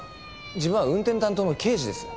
自分は運転担当の刑事です。